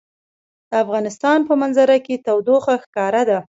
د افغانستان په منظره کې تودوخه ښکاره ده.